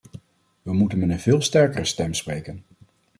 We moeten met een veel sterkere stem spreken.